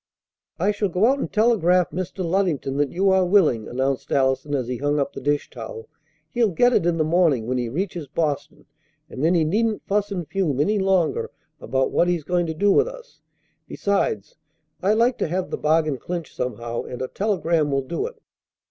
"I shall go out and telegraph Mr. Luddington that you are willing," announced Allison as he hung up the dish towel. "He'll get it in the morning when he reaches Boston, and then he needn't fuss and fume any longer about what he's going to do with us. Besides, I like to have the bargain clinched somehow, and a telegram will do it."